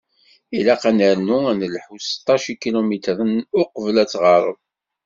Ilaq ad nernu ad nelḥu seṭṭac ikilumitren uqbel ad tɣerreb.